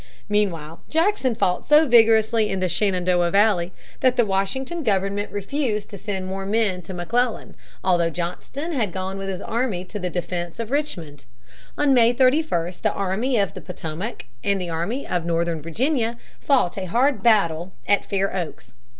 Meantime, Jackson fought so vigorously in the Shenandoah Valley that the Washington government refused to send more men to McClellan, although Johnston had gone with his army to the defense of Richmond. On May 31 the Army of the Potomac and the Army of Northern Virginia fought a hard battle at Fair Oaks.